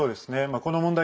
この問題